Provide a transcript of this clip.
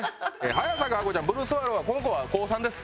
早坂アコちゃんブルースワローはこの子は高３です。